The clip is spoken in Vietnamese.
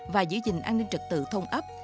và giữ gìn an ninh trật tự thôn ấp